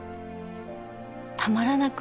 たまらなく